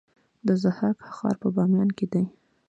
د ضحاک ښار په بامیان کې دی